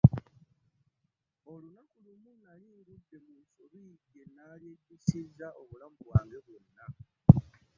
Olunaku lumu nali ngudde mu nsobi gye nalyejjusizza obulamu bwange bwonna.